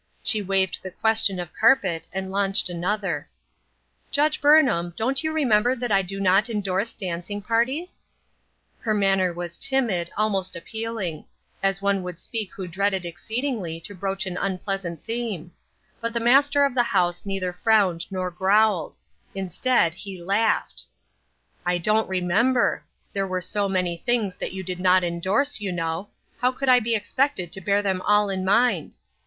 She waived the question of carpet and launched another. "Judge Burnham, don't you remember that I do not indorse dancing parties ?" Her manner was timid, almost appealing ; as one would speak who dreaded exceedingly to broach an unpleasant theme ; but the master of the house neither frowned nor growled ; instead, he laughed :—" I don't remember ; there were so many things that you didn't indorse, you know. How could I be expected to bear them all in mind?